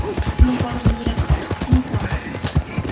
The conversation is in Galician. Non podo volver atrás, non podo!